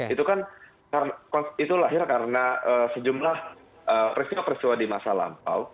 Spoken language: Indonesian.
itu lahir karena sejumlah peristiwa peristiwa di masa lampau